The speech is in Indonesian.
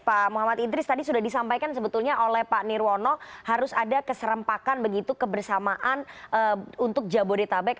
pak muhammad idris tadi sudah disampaikan sebetulnya oleh pak nirwono harus ada keserempakan begitu kebersamaan untuk jabodetabek